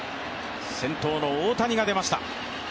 先頭の大谷が出ました。